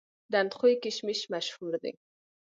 د اندخوی کشمش مشهور دي